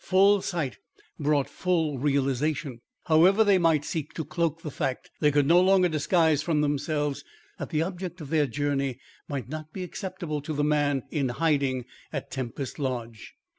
Full sight brought full realisation. However they might seek to cloak the fact, they could no longer disguise from themselves that the object of their journey might not be acceptable to the man in hiding at Tempest Lodge.